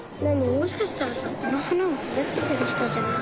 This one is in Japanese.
もしかしたらさこのはなをそだててるひとじゃない？